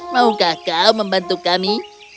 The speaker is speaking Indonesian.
maukah kau membantu kami